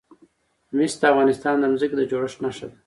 مس د افغانستان د ځمکې د جوړښت نښه ده.